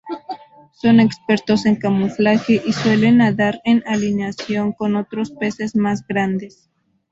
Son expertos en camuflaje, y suelen nadar en alineación con otros peces más grandes.